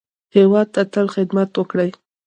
هېواد ته تل خدمت وکړئ